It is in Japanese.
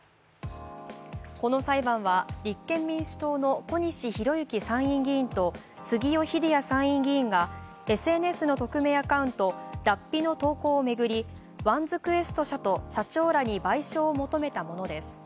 この裁判は立憲民主党の小西洋之参院議員と杉尾秀哉参院議員が、ＳＮＳの匿名アカウント、Ｄａｐｐｉの投稿をめぐり、ワンズクエスト社と社長らに賠償を求めたものです。